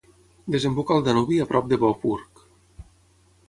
Desemboca al Danubi a prop de Vohburg.